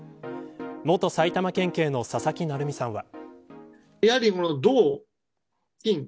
元埼玉県警の佐々木成三さんは。